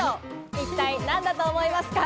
一体何だと思いますか？